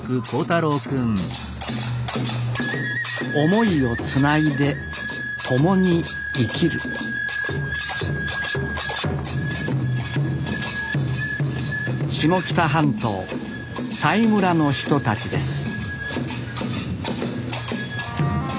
思いをつないでともに生きる下北半島佐井村の人たちです